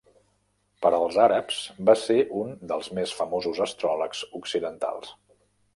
Per als àrabs va ser un dels més famosos astròlegs occidentals.